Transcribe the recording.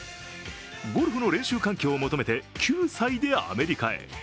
ゴルフの練習環境を求めて９歳でアメリカへ。